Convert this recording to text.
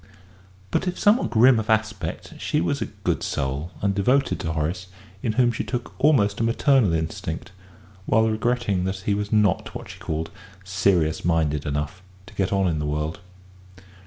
But if somewhat grim of aspect, she was a good soul and devoted to Horace, in whom she took almost a maternal interest, while regretting that he was not what she called "serious minded enough" to get on in the world.